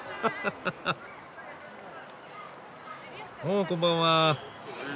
おこんばんは。